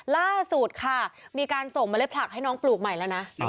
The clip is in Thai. ล่าสุดค่ะมีการส่งเมล็ดผลักให้น้องปลูกใหม่แล้วนะ